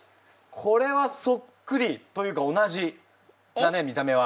これはそっくり！というか同じだね見た目は。